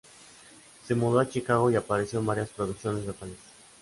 Se mudó a Chicago y apareció en varias producciones locales.